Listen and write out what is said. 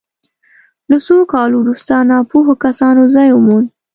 له څو کالو وروسته ناپوهو کسانو ځای وموند.